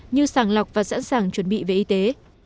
như sàng lọc và sẵn sàng chuẩn bị về y tế